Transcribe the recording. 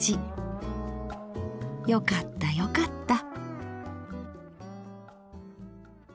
よかったよかった。